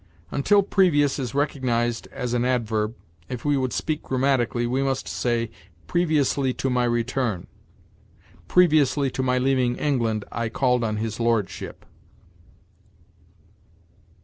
Until previous is recognized as an adverb, if we would speak grammatically, we must say, "Previously to my return." "Previously to my leaving England, I called on his lordship."